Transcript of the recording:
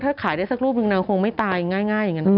ถ้าขายได้สักรูปหนึ่งนางคงไม่ตายง่ายอย่างนั้น